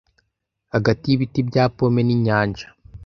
hagati y'ibiti bya pome n'inyanja